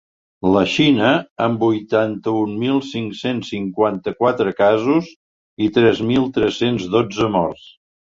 La Xina, amb vuitanta-un mil cinc-cents cinquanta-quatre casos i tres mil tres-cents dotze morts.